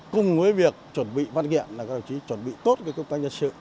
cùng với việc chuẩn bị văn nghiệm là các đồng chí chuẩn bị tốt công tác nhân sự